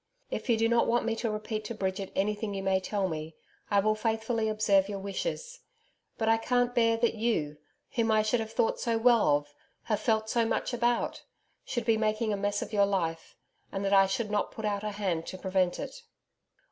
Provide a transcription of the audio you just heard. If you do not want me to repeat to Bridget anything you may tell me, I will faithfully observe your wishes. But I can't bear that you, whom I should have thought so well of have felt so much about should be making a mess of your life, and that I should not put out a hand to prevent it.